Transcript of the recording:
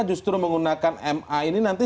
justru menggunakan ma ini nanti